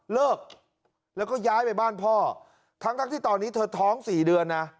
เลิกแล้วก็ย้ายไปบ้านพ่อทั้งทั้งที่ตอนนี้เธอท้องสี่เดือนนะ